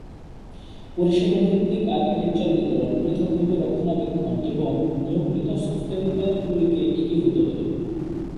পরিষেবা-ভিত্তিক architecture বিতরণ, পৃথকভাবে রক্ষণাবেক্ষণ এবং-নিয়োগকৃত সফ্টওয়্যার উপাদানগুলিকে একীভূত করে।